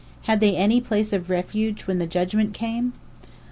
Had they any place of refuge (when the judgment came)?